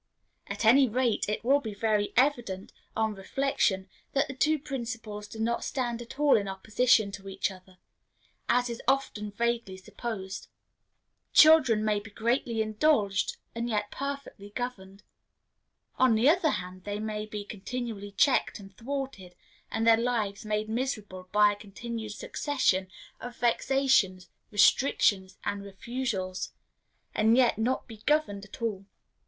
At any rate, it will be very evident, on reflection, that the two principles do not stand at all in opposition to each other, as is often vaguely supposed. Children may be greatly indulged, and yet perfectly governed. On the other hand, they may be continually checked and thwarted, and their lives made miserable by a continued succession of vexations, restrictions, and refusals, and yet not be governed at all.